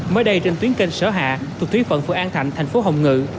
mới đây trên tuyến kênh sở hạ thuộc thuyết phận phượng an thạnh thành phố hồng ngự